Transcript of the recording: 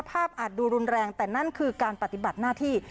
อาจดูรุนแรงแต่นั่นคือการปฏิบัติหน้าที่